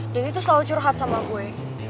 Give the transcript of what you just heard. dan itu selalu curhat sama gue